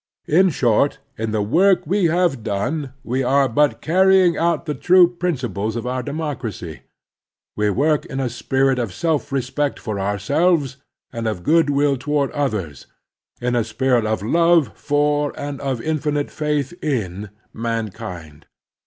In short, in the work we have done we are but carrying out the true principles of our democracy. We work in a spirit of self respect for ourselves and of good will toward others, in a spirit of love for and of infinite faith in mankind.